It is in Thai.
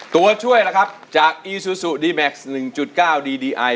ตัวช่วยละครับจากอีซูซูดีแม็กซ์หนึ่งจุดเก้าดีดีอาย